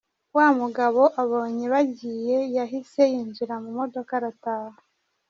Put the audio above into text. Wa mugabo abonye bagiye yahise yinjira mu modoka arataha.